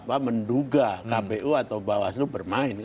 karena sudah ada yang berduga kpu atau bawaslu bermain